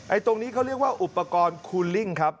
ตรงนี้เขาเรียกว่าอุปกรณ์คูลิ่งครับ